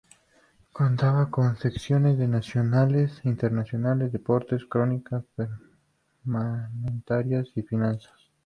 Contaba con secciones de nacionales, internacionales, deportes, crónica parlamentaria y finanzas.